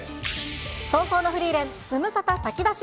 葬送のフリーレン、ズムサタ先出し！